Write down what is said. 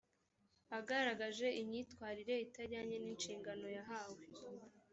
agaragaje imyitwarire itajyanye n’ inshingano yahawe